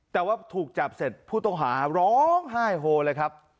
แต่ว่าถูกจับเสร็จผู้ต้องหาร้องไห้โฮเลยครับ